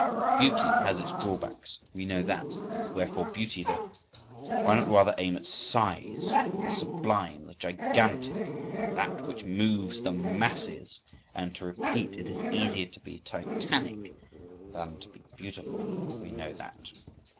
Beauty has its drawbacks: we know that. Wherefore beauty then? Why not rather aim at size, at the sublime, the gigantic, that which moves the masses?—And to repeat, it is easier to be titanic than to be beautiful; we know that.